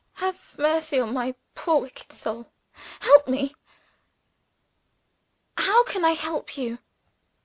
Have mercy on my poor wicked soul! Help me." "How can I help you?"